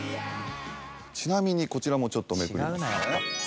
ちなみにこちらもちょっとめくります。